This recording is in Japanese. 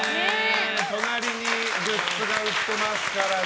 隣にグッズが売ってますからね。